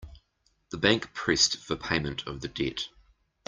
The bank pressed for payment of the debt.